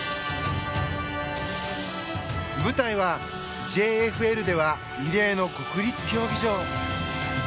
舞台はＪＦＬでは異例の国立競技場。